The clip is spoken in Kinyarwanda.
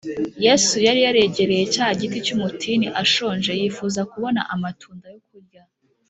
yesu yari yaregereye cya giti cy’umutini ashonje, yifuza kubona amatunda yo kurya